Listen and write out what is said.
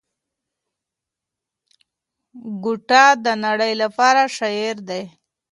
ګوته د نړۍ لپاره شاعر دی.